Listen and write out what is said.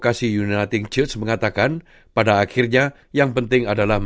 apa yang kita akan katakan kepada premier adalah